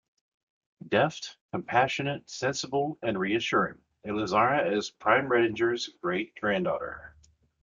Deft, compassionate, sensible and reassuring, Elizara is Prime Reidinger's great-granddaughter.